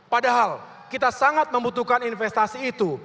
padahal kita sangat membutuhkan investasi itu